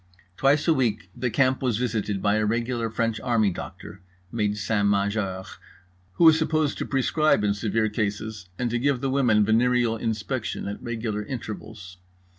Twice a week the camp was visited by a regular French army doctor (médecin major) who was supposed to prescribe in severe cases and to give the women venereal inspection at regular intervals.